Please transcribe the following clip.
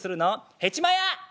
「ヘチマ屋！」。